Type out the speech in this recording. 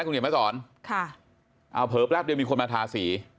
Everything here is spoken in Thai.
คุณเฮียบนะศรเอาเผิดแป๊ปดีมีคนมาทาสี